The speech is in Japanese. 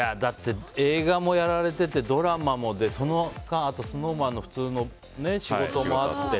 映画もやられてて、ドラマもでその間、ＳｎｏｗＭａｎの普通の仕事もあって。